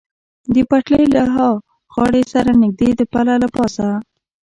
د پټلۍ له ها غاړې سره نږدې د پله له پاسه.